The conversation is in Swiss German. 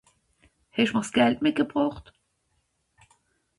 Hesch'm'r s'Gald mitgebrocht?